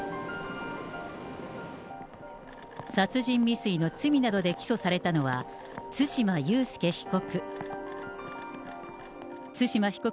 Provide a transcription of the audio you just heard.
殺人未遂の罪などで起訴されたのは、つしまゆうすけ被告。